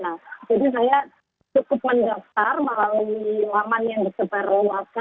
jadi saya cukup mendaftar melalui laman yang bersebut